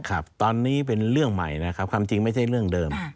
ครับตอนนี้เป็นเรื่องใหม่นะครับความจริงไม่ใช่เรื่องเดิม